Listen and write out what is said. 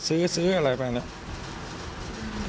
ซื้ออะไรเปิดอียะ